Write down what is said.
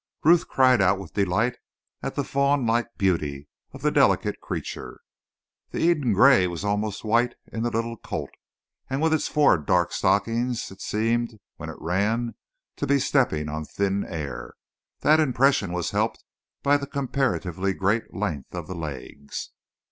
Ruth cried out with delight at the fawn like beauty of the delicate creature. The Eden Gray was almost white in the little colt, and with its four dark stockings it seemed, when it ran, to be stepping on thin air. That impression was helped by the comparatively great length of the legs.